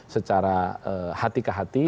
secara hati ke hati